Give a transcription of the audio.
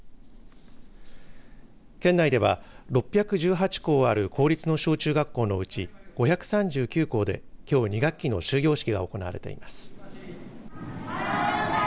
県内では６１８校ある公立の小中学校のうち５３９校で、きょう２学期の終業式が行われています。